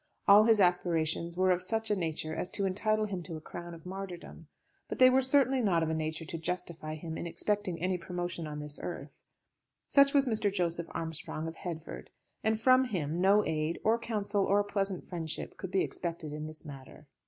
All his aspirations were of such a nature as to entitle him to a crown of martyrdom. But they were certainly not of a nature to justify him in expecting any promotion on this earth. Such was Mr. Joseph Armstrong, of Headford, and from him no aid, or counsel, or pleasant friendship could be expected in this matter.